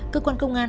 cơ quan công an